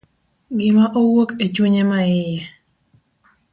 Gima owuok e chunye maiye.